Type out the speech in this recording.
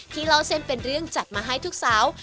เล่าเส้นเป็นเรื่องจัดมาให้ทุกสาว